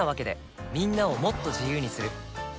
みんなをもっと自由にする「三菱冷蔵庫」